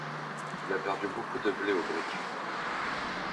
Il a perdu beaucoup de blé au bridge.